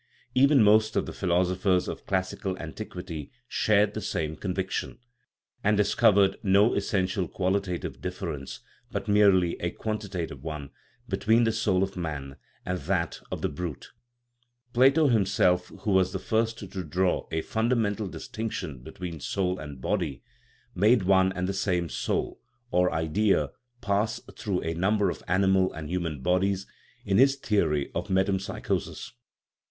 Even most of the philosophers of classical antiquity shared the THE NATURE OF THE SOUL same conviction, and discovered no essential qualita tive difference, but merely a quantitative one, between the soul of man and that of the brute. Plato him self, who was the first to draw a fundamental distinc tion between soul and body, made one and the same soul (or " idea ") pass through a number of animal and human bodies in his theory of metempsychosis.